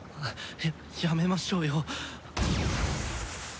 やめましょうよ。